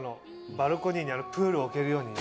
バルコニーにプール置けるようにね。